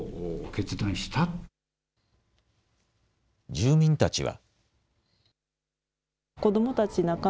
住民たちは。